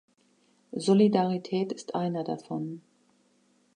Solidarität ist einer davon.